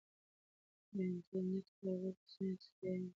د انټرنیټ کارول په اوسني عصر کې اړین دی.